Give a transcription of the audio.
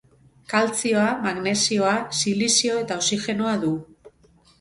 Kaltzioa, magnesioa, silizio eta oxigenoa du.